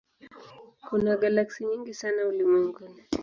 Kuna galaksi nyingi sana ulimwenguni.